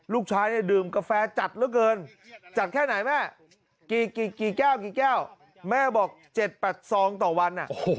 ลูกชายดื่มกาแฟจัดแล้วเกินจัดแค่ไหนแม่กี่แก้วแม่บอก๗๘ซองต่อวัน